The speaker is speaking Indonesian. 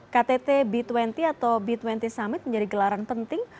ktt b dua puluh atau b dua puluh summit menjadi gelaran penting